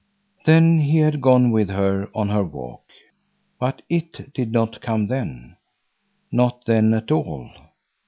Then he had gone with her on her walk. But "it" did not come then, not then at all.